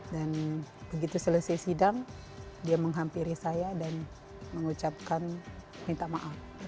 dan begitu selesai sidang dia menghampiri saya dan mengucapkan minta maaf